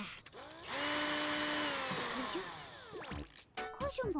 おじゃカズマ。